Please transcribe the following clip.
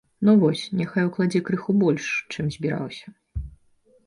Ну вось, няхай укладзе крыху больш, чым збіраўся!